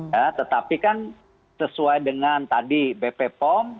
ya tetapi kan sesuai dengan tadi bp pom